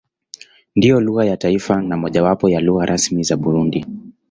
Ndiyo lugha ya taifa na mojawapo ya lugha rasmi za Burundi.